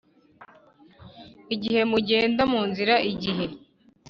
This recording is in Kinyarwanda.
igihe mugenda mu nzira igihe